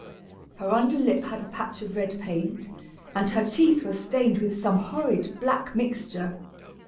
Her under lip had a patch of red paint, and her teeth were stained with some horrid black mixture.